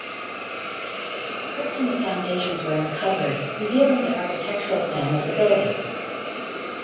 The crypt and the foundations were uncovered, revealing the architectural plan of the building.